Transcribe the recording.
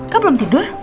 kamu belum tidur